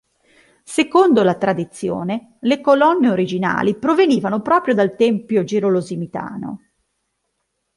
Secondo la tradizione le colonne originali provenivano proprio dal tempio gerosolimitano.